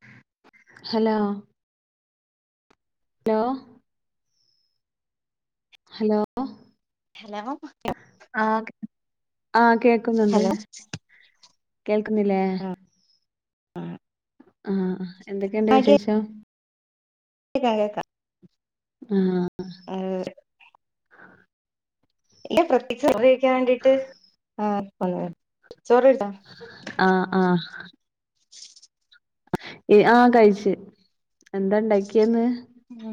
[unintelligible] Hello ലോ hello hello ആ ആ കേക്കുന്നുണ്ട്. ഹലോ കേൾക്കുന്നില്ലേ ആ ആഹ് എന്തൊക്കെയുണ്ട് വിശേഷം. കേക്കാ കേക്കാം. ആഹ് ആ [unintelligible] ഇല്ല പ്രത്യേകിച്ച് വേണ്ടീട്ട് ആ [unintelligible] ആ ആ ആഹ കഴിച്ചു എന്താ ഉണ്ടാക്കിയന്ന് ആ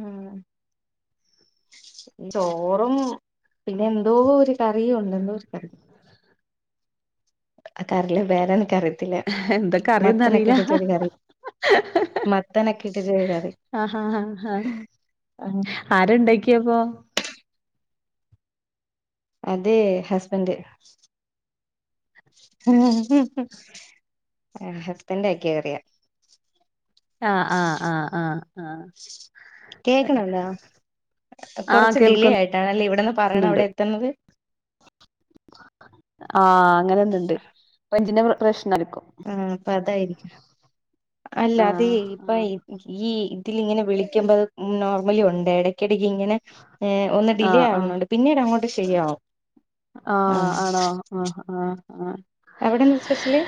ചോറും പിന്നെ എന്തോ ഒരു കറിയും ഉണ്ട്. എന്തോ ഒരു കറി ആ കറല്ല വേറെനക്കറി [inaudible] പേര് അറിയില്ല എന്താ കറിയൊന്നും മത്തനൊക്കെ അറിയില്ല ഇട്ട്ട്ടൊര് കറി മത്തനൊക്കെ ഇട്ടിട്ടൊരു കറി ആഹാ ആ [unintelligible] അത് ഹസ്ബൻഡ് ഹസ്ബന്റാക്കിയ കറിയ ആ ആ ആ ആ കേക്കണല്ലോ ആ കൊറച്ച് കേൾക്കുന്നുണ്ട് ഡിലേ ആയിട്ടാണ അല്ലേ ഇവിടെന്ന് പറയണ അവിടെ എത്തണത് ആ അങ്ങനെ ഒന്ന് ഉണ്ട് ഇപ്പൊ എന്തിനാ വിളിച്ചത് പ്രശ്നാരിക്കും ആ അപ്പൊ അതായിരിക്കും അല്ല ആ അതെ ഇപ്പ ആ ഈ ഇതിൽങ്ങനെ വിളിക്കുമ്പോ അത് നോർമലി ഉണ്ട് ഇടയ്ക്ക് ഇടക്കിങ്ങനെ ഒന്ന് ആ ഡിലേ ആ ആവുന്നുണ്ട് പിന്നീട് അങ്ങോട്ട് ശെരിയാവും ആ ആണോ ആ ആ ആ അവിടെന്താ സ്പെഷ്യല്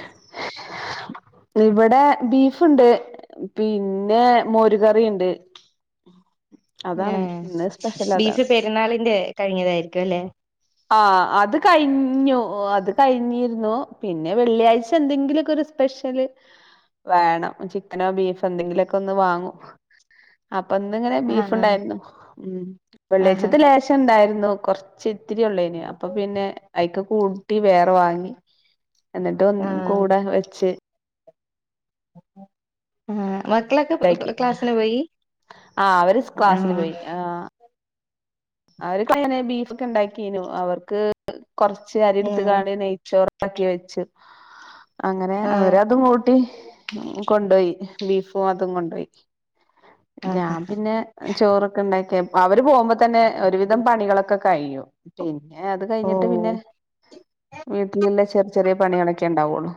ഇവിടെ ബീഫ്ണ്ട് പിന്നെ മോര് കറിയുണ്ട് ഏ ബീഫ് അതാണ് പെരുന്നാളിന്റെ കഴിഞ്ഞതായിരിക്കും അല്ലെ ആ അത് കഴിഞ്ഞു അത് കഴിഞ്ഞിരുന്നു പിന്നെ വെള്ളിയാഴ്ച എന്തെങ്കിലുക്കൊരു സ്പെഷ്യല് വേണം ചിക്കനോ ബീഫോ എന്തെങ്കിലുക്കൊന്ന് വാങ്ങൂ അ- അപ്പൊന്നിങ്ങനെ ആ ബീഫുണ്ടായിരുന്നു ആ ആ വെള്ളിയാഴ്ചത്തി ലേശം ഉണ്ടായിരുന്നു കൊറച്ച് ഒത്തിരിയ ഉള്ളേന് അപ്പൊ പിന്നെ അയിക് കൂട്ടി വേറെ വാങ്ങി എന്നിട്ട് ആ ഒന്ന് കൂടെ വെച്ച് ആ മക്കളൊക്കെ പ- തായിക്ക് പ- ക്ലാസ്സിന് പോയി ആ അവര് ആ ക്ലാസ്സിന് പോയി ആ അവര്ക്കങ്ങനെ ബീഫൊക്കെ ഉണ്ടാക്കീനു അവർക്ക് കുറച്ച് അരിയ ആ എടുത്ത് ഇടുവാണേൽ നെയ്ചോർ ഉണ്ടാക്കിവെച്ചു അങ്ങനെ ആ അവരതും കൂട്ടി കൊണ്ടോയി ബീഫും അതും കൊണ്ടോയി ആ ആ. ഞാൻ പിന്നെ ചോറൊക്കെ ഉണ്ടാക്കിയ അവര് പോകുമ്പോ തന്നെ ഒരുവിധം പണികളൊക്കെ കഴിയും പിന്നെ അത് ഓ കഴിഞ്ഞിട്ട് പിന്നെ വീട്ടിലുള്ള ചെർ ചെറിയ പണികളൊക്കെ ഉണ്ടാവുള്ളു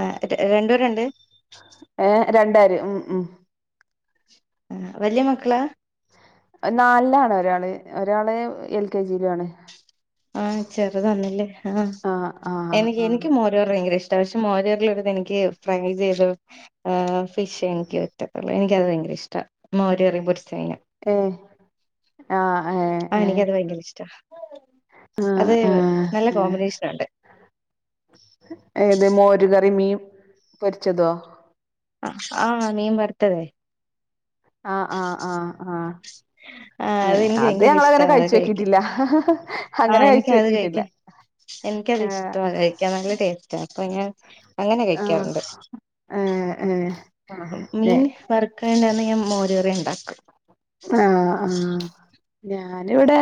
അ രണ്ടൂരണ്ട് ഏ രണ്ടാര് ഉം ഉം അ വലിയ മക്കളാ നാൽലാണ്ഒരാള് ഒരാള് എൽ കെ ജി യിലും ആണ് ആ ചെറുതാണില്ലേ ആ ആ എനിക്ക് ആ എനിക്കുമോര് കറി ഭയങ്കര ഇഷ്ട അ പക്ഷെ മോരുകറിള്ളപ്പോൾ എനിക്ക് ഫ്രൈ ചെയ്ത ഫിഷ് എനിക്ക് പറ്റത്തുള്ളൂ എനിക്കത് ഭയങ്കര ഇഷ്ടം മോരികറിയും പൊരിച്ചമീനും എ ആ ആ ആഹ് ഏ എനിക്കത് ഭയങ്കര ഇഷ്ടാ അ അത് അ നല്ല എ കോമ്പിനേഷൻ ഉണ്ട് ഏത് മോര കറി മീൻ പൊരിച്ചതോ അ ആ മീൻ വർത്തത് ആ ആ ആ ആ ആ അതെനിക്ക് ഭയങ്കര ഇഷ്ട്ട അത് കഴിച്ചു കഴിക്കാൻ നോക്കിട്ടില്ല ആ അങ്ങനെ കഴിച്ചു എനിക്കത് നോക്കിട്ടില്ല കഴിക്കാൻ ഏഹ് എനിക്കത്ഷ്ട്ട കഴിക്കാൻ നല്ല ടേസ്റ്റ് അപ്പ ഞാൻ അങ്ങനെ ആഹ് കഴിക്കാറുണ്ട് ഏഹ് ഏഹ് ആ മീൻ ഏഹ് വർക്ക്ണ്ടെന്ന് ഞാൻമോര് റെ ഉണ്ടാക്ക് ആ ആ ഞാനിവിടെ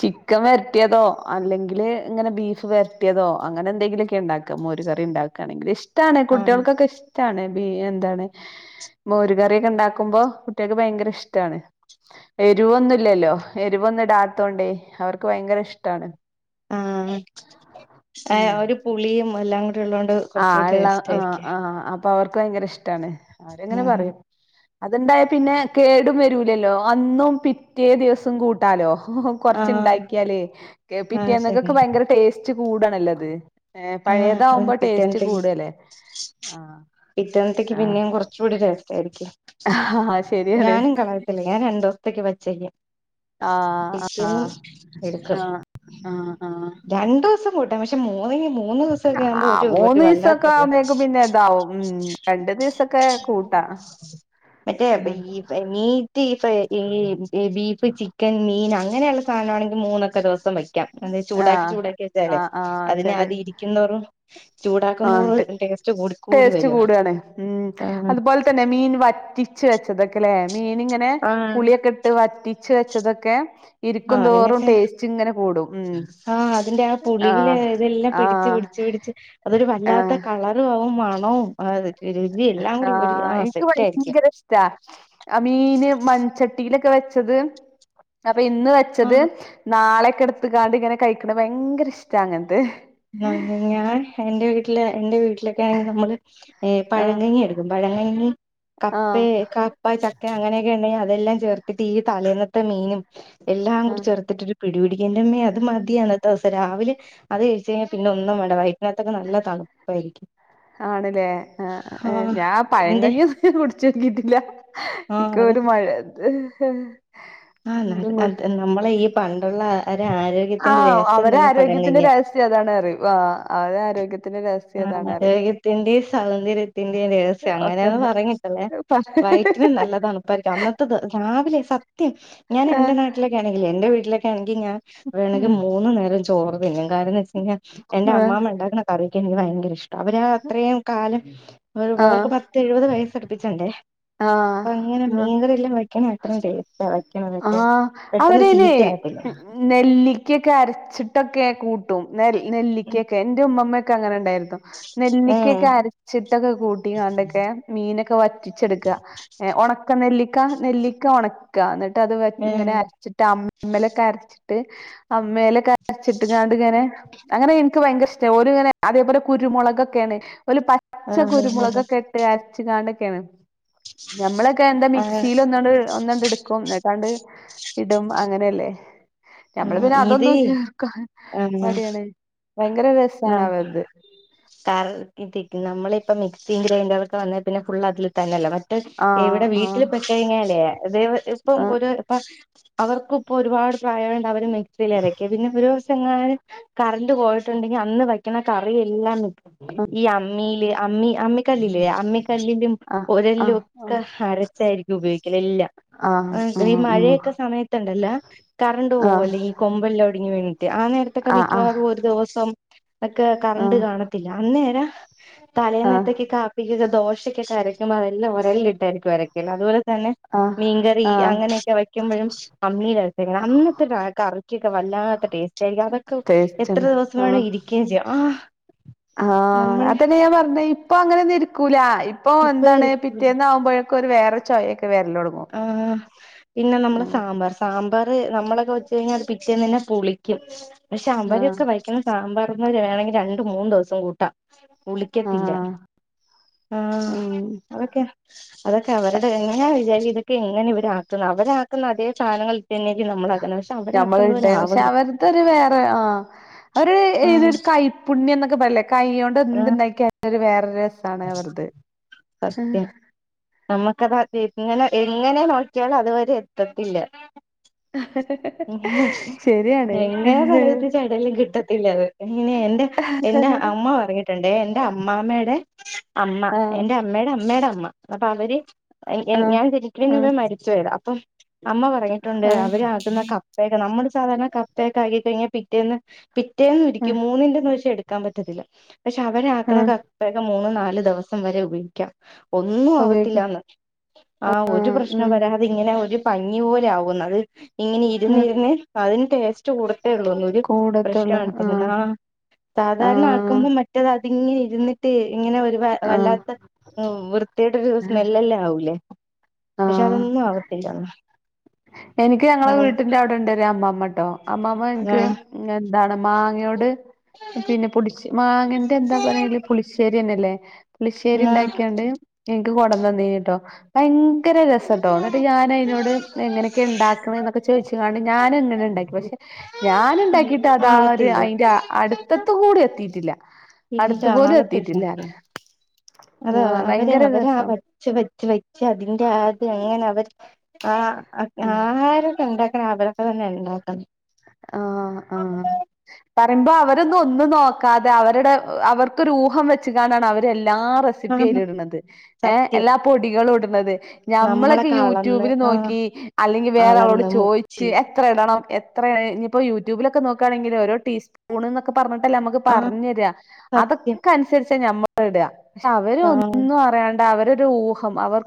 ചിക്കൻ വരട്ടിയതോ അല്ലെങ്കില് ഇങ്ങനെ ബീഫ് വരട്ടിയതോ അങ്ങനെ എന്തെങ്കിലുമൊക്കെ ഉണ്ടാക്ക മോര കറി ണ്ടാക്കുകയാണെങ്കിൽ ഇഷ് ഇഷ്ട്ടാണ് ആഹ് കുട്ടികൾക്കൊക്കെ ഇഷ്ടാണ് ബി എന്താണ് മോര് കറിയൊക്കെ ഉണ്ടാക്കുമ്പോ കുട്ടികൾക്ക് ഭയങ്കര ഇഷ്ടമാണ് എരിവൊന്നുംല്ലല്ലോ എരിവൊന്നും ഇടാത്തോണ്ടേ അവർക്ക് ഭയങ്കര ഇഷ്ടാണ് ആ എ ഒരു പുളിയും മല്ലാം ആ ഉള്ള ആ ആ അപ്പൊ അവർ ഇക്ക് ഭയങ്ക ഇഷ് ഇഷ്ട്ടാണ് അവരങ്ങനെ ആഹ് പറയും അത് ണ്ടായാൽ പിന്നെ കേടും വരൂല്ലല്ലോ അന്നും പിറ്റേ ദിവസം കൂട്ടാലോ ആഹ് കൊറച്ചുണ്ടാക്കിയാലേ ആഹ് ശരി പിറ്റേന്നൊക്കൊക്കെ ഭയങ്കര ടേസ്റ്റ് റ്റ് കൂടാണല്ലോ അത് ഏ പഴയതാവകുമ്പോ ടേസ്റ്റ് ഇന്നത്തേക്ക് കൂടല്ലേ ആഹ് പിറ്റേന്നെത്തെക്ക് പിന്നെ കുറച്ചുടെ ടെസ്റ്റ്‌ എവിടുക്ക് ഹ ഹ ശരിയാണ് ഇപ്പക്ക് വച്ചല്ല ആഹ് ആഹ് പിറ്റേന്ന്എടുക്കും ആഹ് ആഹ് ആഹ് രണ്ടു ദിവസം കൂട്ടാം പഷ് മൂന്നെങ്കിലും മൂ ആ മൂന്ന് ദിവസൊക്കെ ആകുമ്പോഴേ പിന്നെ ഇതാവും ഉം രണ്ടു ദിവസൊക്കെ കൂട്ടാ മറ്റേ ഈ മീറ്റ് ഈ ഈ ബീഫ് ചിക്കൻ മീൻ അങ്ങനെയുള്ള സാധനമാണെങ്കിൽ മൂന്നൊക്കെ ദിവസം വയ്ക്കും യ്ക്കാം ചൂടാക്കി ആഹ് ചൂടാക്കി വെച്ചാലേ ആഹ് അതിനെ അതിരിയ്ക്കും തോറും ആട്ടെ കൂടി ടേസ്റ്റ് വരിക കൂടണേ ഉം അതുപോലെ തന്നെ മീൻ വറ്റി വച്ച് വെച്ചതൊക്കെല്ലേ മീൻ ഇങ്ങനെ ആ പുളിയൊക്കെ ഇട്ട് വറ്റിച്ച് വ വച്ചതൊക്കെ ആ അതിനൊക്കെ ഉം ആ അതിന്റെ ആ പുളിയില് ആഹ് ഇതെല്ലാം പിടിച്ചു ആഹ് പിടിച്ചു പിടിച്ചു അതൊരു വല്ലാത്ത കളറു മാകും മണവും അതേ ആ എനിക്ക് ആയിരിക്കും ഭയങ്കര ഇഷ്ടാ മീനും മൺചട്ടിയിലൊക്കെ വെച്ചത് അപ്പൊ ഇന്ന് വെച്ചത് നാളെ എടുത്തക്കാണ്ട് ഇങ്ങനെ കഴിക്കണത് ഭയങ്കരഇഷ്ടാ അങ്ങനത്തെ ആ ഞാൻ എന്റെ വീട്ടിലെ എന്റെ വീ നമ്മൾ വീട്ടിലൊക്കെ ആഹ് പഴങ്ങഞ്ഞി എടുക്കും പഴങ്ങഞ്ഞി കപ്പേ ആഹ് കപ്പ ചക്ക അങ്ങനെയൊക്കെ ഉണ്ടെങ്കിൽ അതെല്ലാം ചേർത്തിട്ട് ഈ തലേന്ന് മീനും എല്ലാം ആ കൂടി ചേർത്തിട്ടൊരു പിടി പിടിക്കേന്റെമ്മേ അത് മതി അന്നത്തെ ദിവസം രാവിലെ അത് കഴി പിന്നൊന്നും വേണ്ട വൈറ്റിനകത്തൊക്കെ നല്ല തണുപ്പായിരിക്കും ആണല്ലേ ആ ആഹ് ഞാൻ ഇതിന്റെ പഴങ്കഞ്ഞി ഇതു വരെ കുടിച്ച് നോക്കിട്ടില്ല ഇക്ക ഒരു മഴയത്ത് ഹും ആ [unintelligible] ആ നമ്മളെ ഈ പണ്ടുള്ള ഒരു ആ ആരോഗ്യത്തിന്റെ രഹസ്യം അവരെ തന്നെ ആരോഗ്യത്തിന്റെ പഴങ്കഞ്ഞിയാ രഹസ്യം അതാണ് അറി ആ അവരെ ആരോഗ്യ ആരോഗ്യത്തിന്റെയും, സൗന്ദര്യത്തിന്റെയും രഹസ്യം ഒക്കെ അങ്ങനെയന്ന് പറഞ്ഞിട്ടല്ലേ പ- വയറ്റിനും നല്ല തണുപ്പായിരിക്കും അന്നത്തെ ദി രാവിലെ സത്യ ത്യം ഞാൻ ആ എന്റെ നാട്ടിലെക്കെ ആണെങ്കിലേ എന്റെ വീട്ട ല്ലക്കെഴങ്ങ് ഈ ഞാൻ വേണങ്കി ഉം മൂന്നു നേരം ചോറ് പിന്നേ കാരണം ന്ന്ച്ചഴിഞ്ഞാ എന്റെ ആ അമ്മാമ ണ്ടാക്ക്ണ കറി എനി [unintelligible] ഭയങ്കര ഇഷ് അവര് അത്രയുംകാലം അവര് അവർക്ക് പത്ത്എഴുപത് വയസ് പഠിപ്പിച്ചണ്ടേ ആ ആ വെക്കണ അത്രയും ടേസ്റ്റാ ആ വെക്കണതൊക്കെ പെട്ടെന്ന് അവരയ്‌നേ ചീത്തയാവത്തില്ല നെല്ലിക്കക്കെ അരച്ച് ട്ടൊക്കെ കൂട്ടും നെ നെല്ലിക്കക്കെ ന്റെ ഉമ്മമ്മെ കങ്ങനണ്ടായിര് ഏഹ് നെല്ലിക്കക്കെ അരച്ചിട്ടൊക്കെ കൂട്ടീനന്നൊക്കെ മീനൊക്കെ ക്കെ വറ്റി ക്ക ഏ ഒണക്ക നെല്ലി ക്ക നെല്ലിക്ക ഒണക്ക ഇന്ന് ട്ട ത് വറ്റ് ഏഹ് ങ്ങനെ അരച്ചിട്ട് അമ്മി അമ്മേലൊക്കെ അരച്ചിട്ട് അമ്മേലൊക്കെ അരച്ചിട്ട്ങ്ങാണ്ട്ങ്ങനെ അങ്ങനെ ന്ക്ക്ഭയങ്കരിഷ്ട ഓല്ങ്ങനെ അതേപോലെ കുരുമൊളകൊക്കേണ് ഓല് ആ പച്ച കുരുമൊളകൊക്കെട്ട് അര ചങ്ങാണ്ടക്കേണ് ഞമ്മളൊക്കെ എന്ത ആ മിക്സീല് ഒന്നണ്ട് ഒന്നണ്ട്ട്ക്കും ഇന്ന്ട്ടാണ്ട് ഇടും അങ്ങനെല്ലേ ഞമ്മള് പിന്നെ ഇത് അതൊന്നും ചേർക്കാൻ ആ മടിയാണ് ഭയങ്കര നം രസാണവര്ത് ഇപ്പ മിക്സിം ഗ്രൈൻഡറൊക്കെ വന്നേ പിന്നെ ഫുൾ അതില് തന്നെല്ലെ മറ്റ് ആഹ് ഇവിടെ വീട്ടിൽ ആഹ് പെട്ട് ഴിഞ്ഞാലേ [unintelligible] ഇപ്പം ഒര് അവർക്ക്പ്പോ ഒരുപാട് പ്രായ ട്ടഅവര് മിക്സിലരക്ക പിന്നെപ്പൊരു ട്ടെങ്ങാനു കറണ്ട് പോയിട്ടുണ്ടെങ്കി അന്ന് വെക്ക്ണ കറിയല്ലാം [unintelligible] ഈ അന് മ്മീല് അമ്മി അമ്മിക്കല്ലില്ലേ അമ്മി കല്ലിലും ആഹ് ആഹ് ഒരല്‌ലൊക്കെ ആഹ് അരച്ചായിരിക്കും ഉപയോഗിക്കലെല്ലാം ആഹ് ഉം ഈ ഉം മഴയൊക്കെ സമയത്ത്ണ്ടല്ലാ കറ ണ്ട് ആഹ് പോവല്ലെ ഈ കൊമ്പൻലൊടിഞ്ഞ് കഴിഞ്ഞിട്ട് ആ നേരത്തൊക്കെ ആഹ് ആഹ് മിക്കവാറും ഒരു ദിവസം ഒക്കെ ആഹ് കറണ്ട്കാണത്തില്ല അന്നേര ആഹ് തലേനെത്തേക് കാപ്പിക് ദോശ [unintelligible] ട്ടേരിക്ക് വരെ അതുപോലെ തന്നെ ആഹ് മീൻകറി ആഹ് അങ്ങനെയൊക്കെ വയ്ക്കുമ്പഴും അമ്മില് അടുത്തക്കണ അന്ന് കറക്കിക്കെ വല്ലാത്ത ടെസ്റ്റായിരിക്കും. അതൊക്കെ എത്ര ടേസ്റ്റാണ് ദേവസം ആഹ് വേണേ ഇരിക്കേയും ചെയ്യാം ആഹ് ആഹ് അതന്നെ ഞാൻ പറഞ്ഞെ പ്പൊ അങ്ങനെന്നുംരിക്കൂലാ. ഇപ്പൊ എന്താണ് ഉപ്പേരി പിറ്റേന്നാവുമ്പഴെക്ക് ഇപ്പൊരു വേറെരു ചൊയക്ക് ആഹ് പിന്നെ നമ്മള ഉം സാമ്പാർ സാമ്പാർ ത് നമ്മളൊക്കെ വെച്ച് കഴിഞ്ഞാത് പിറ്റേന്ന് തന്നെ പുളിക്കും. പക്ഷെ ആഹ് അവരൊക്ക വയ്ക്കു സാമ്പാ വേണെങ്കി രണ്ടു മൂന്ന് ദെവസം കൂട്ടാം. ഉളിക്കത്തില്ല. ആഹ് ആഹ് ഉം അതൊക്കെ അതൊക്കെ അവരുടെ എങ്ങനാ ജാരി ഇതക്കെങ്ങനിവര് ആക്കുന്ന അവരാക്കുന്ന അതേ സാനങ്ങൾ ഞമ്മൾ ഇട്ട പക്ഷെ ആവുന്നില്ല അവരുതൊരു വേറെ ആ അവര് ആ ഇതരു കൈപ്പുണ്യം എന്നൊക്കെ പറയല്ലേ കൈയോണ്ട് ആ എന്ദുണ്ടാക്കിയാലും വേറെ രസാണ് അവർത്. നമ്മുക്കത് അത് എങ്ങനെ എങ്ങനെ നോക്കിയാലും അതുവരെ എത്തത്തില്ല. ശരിയാണ് എങ്ങനെ പറത്തി ചടലും കിട്ടത്തില്ലത്. ഇനി എന്റെ എന്റെ അമ്മ പറഞ്ഞിട്ടുണ്ടെ എന്റെ അമ്മാമ്മയുടെ അമ്മ ആഹ് എന്റെ അമ്മേടെ അമ്മേടെ അമ്മ അപ്പ അവര് ഏഹ് ഏ ആഹ് ഞാൻ ജനിക്ക നെ മുന്നേ ആഹ് മരിച്ചു പോയതാ പം അമ്മ പറഞ്ഞിട്ടുണ്ട് ആഹ് അവരാകുന്ന കപ്പയൊക്കെ നമ്മള് ച് സാധാരണ കപ്പയക്കായി കഴിഞ്ഞ പിറ്റേന്ന് പിറ്റേന്നുരിക്കും. ആഹ് മൂന്നിന്റെന്ന് ക്ഷെ എട് ക്കാൻ പറ്റത്തില്ല. പക്ഷെ അവര് ആഹ് ആക്കണകപ്പേക്ക മൂന്ന് നാ ല് ദെവസം വരെ ഉപയോക്കാം. ഒ ഒന്നും ഉപയോഗിക്ക ആവത്തില്ലാന്ന് ആ ഒരു ആഹ് പ്രശ്നം ഉം വരാതെ ഇങ്ങനെ ഒരു ഭംഗി പോലെ ആവുന്നത്. ഇങ്ങനെ ഉം ഇരുന്നിരുന്ന് അതിന് ടേസ്റ്റ് കൂടത്തെ ഉള്ളൂ ഒരു പ്രശ്ന കൂടത്തുള്ളൂ പ്രേശ്നാ ആഹ് ആ സാധാരണ ആഹ് ആക്കുമ്പോ മറ്റേത ഇതിങ്ങനെ ഇരുന്നിട്ട് ഇങ്ങനെ ഒരു വ ആഹ് വല്ലാത്ത വൃ ഒരു സ്മെല്ലെല്ലാം ആവൂലേ പക്ഷെ ആഹ് അതൊന്നും ആവത്തില്ല എനിക്ക് ഞങ്ങളെ വീട്ടിന്റെ അവിടെ ണ്ടൊരു അമ്മമ്മട്ടോ അമ്മാമ്മ ഇൻക്ക് ആ എന്താണ് മാങ്ങയോട് പിന്നെ പൊടിച്ച് മാങ്ങന്റെ എന്താ പറയല് പുളിശ്ശേരി യന്നെയല്ലേ പുളിശ്ശേരി ഉണ്ടാക്കിയാണ്ട് ഇൻക്ക് കൊട്ന്ന്തന്നീനി ട്ടോ അയിങ് ഭയങ്കര രസട്ടോ ന്നെട്ട് ഞാൻ അയിനോട് എങ്ങനെക്കെ ക്കെ ഉണ്ടാക്ക്ണെ ന്നൊക്കെ ചോയിച്ച്ക്കാണ്ട്ഞാ ഞാനെങ്ങനെ ണ്ടാക്കി പക്ഷെ ഞാൻ ഇണ്ടാക്കിട്ട് ആവത്തില്ല അത് ഇല്ല ആവത്തില്ല അത് ആ അവരെ ഭയങ്കര അവരാ രസം വച്ച് വച്ച് വച്ച് അതിന്റെ താ അങ്ങനെ അവര് ആ ആഹാരമൊക്കെ ഉണ്ടാകണെ അപ്പ തന്നെ ണ്ടാക്കൽ ആ ആ പറയുമ്പോ അവരൊന്നും ഒന്നും നോക്കാതെ അവരുടെ അവർക്കൊരു ഊഹം വെച്ച്കാണ്ടാണ് അവരെല്ലാം ല്ലാ ആ റെസിപ്പി അയിൽ ഇട്ണത് എ സത്യം എല്ലാ പൊടികളൂടും ള്ളത് ഞമ്മളൊക്കെ നമ്മളൊക്കെ അളന്ന് യൂട്യൂബിൽ ആ നോക്കി അല്ലെങ്കിൽ വേറെ ആളോട് അളന്ന് ചോയിച്ച് മുറിച്ച് എത്ര ഇടണം എത് ത്ര ഇനിയിപ്പോൾ യൂടൂബിലൊക്കെ നോക്കാണെങ്കിൽ ഓരോ ട്ടീ സ്പൂൺന്നൊക്കെ പറഞ്ഞിട്ടല്ലെ നമ്മക്ക് ആ പറഞ്ഞരാ സത്യം അതൊക്കെ അനുസരിച്ചാമ്മൾ അത്ടാ ക്ഷെ ആ അവരൊന്നും അറിയാണ് അവരൊരു ഊഹം അവർ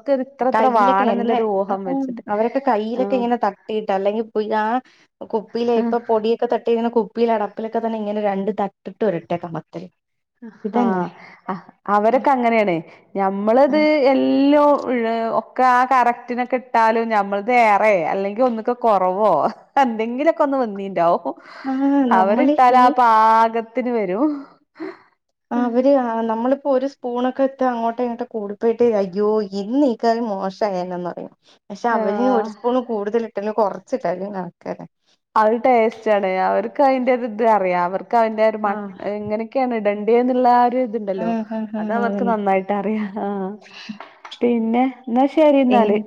കയ്യിലൊക്കെ എന്റേ ആ വെച്ചിട്ട് അവരൊക്കെ കയ്യിലൊക്കെങ്ങനെ ആഹ് തട്ടീട്ടാ അല്ലെങ്കി പൊയ് ആ കുപ്പിയിലെ ഇപ്പൊ പൊടിയൊക്കെ തട്ടിങ്ങനെകുപ്പ ഉപ്പിൽ അടപ്പിലൊക്കെ തന്നെ ഇങ്ങനൊര് ആഹ് അവരൊക്കെ അങ്ങനേണെ ഞമ്മളിത് എല്ലോ ഉള്ള് ഒക്കെ ആ കറക്റ്റിനൊക്കെ ഇട്ടാലും ഞമ്മൾത് ഏറെ അല്ലെങ്കിൽ ഒന്നൊക്കെ കുറവോ എന്തെങ്കിലൊക്കെ ഒന്ന് വന്നീണ്ടാവും ആഹ് നമ്മള് അവരിട്ടാല ഈ ആ പാകതി ത്തിന് വരും ഹ് ആ അവര് ആ നമ്മള് ഇപ്പൊ ഒരു സ്പൂണൊക്കെ എത്ത അങ്ങോട്ട് ഇങ്ങോട്ട് കൂടി പോയിട്ട് അയ്യോ ഇന്ന് ഈ കറി മോശായെനെന്നു പക്ഷെ അവര് ആഹ് ഒരു സ്പൂൺ കൂടുതൽ [unintelligible] ട്ടെന്ന്കുറച്ചിട്ട [unintelligible] ക്കാരെ അ ഒരു ടേസ്റ്റാണെ അവർക്ക് അയ്ന്റെ ഒരിത് അറിയാ അവർക്ക് ക്ക് അയ്ന്റെ ഒരു മട്ട് ആഹ് [unintelligible] എങ്ങനെയൊക്കെയാണ് ഇടണ്ട് വേന്നില്ല ഒരിതുണ്ടല്ലോ ആഹ് ആഹ് അത ആഹ് അവർക്ക് അതന്നെ നന്നായിട്ട് അറിയാം ആഹ് പിന്നെ എന്നാ ശരി എങ്‌ എന്നാല്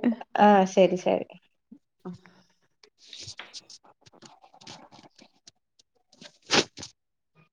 ആഹ് ശരി ശരി [inaudible] [inaudible]